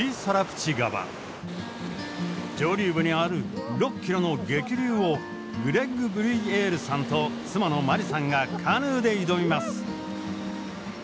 上流部にある６ｋｍの激流をグレッグ・ブリュイエールさんと妻の真理さんがカヌーで挑みます。